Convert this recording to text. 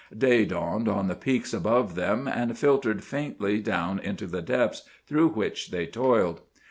Day dawned on the peaks above them, and filtered faintly down into the depths through which they toiled.